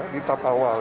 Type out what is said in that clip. di tab awal